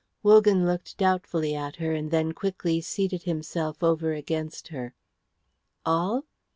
Wogan looked doubtfully at her and then quickly seated himself over against her. "All?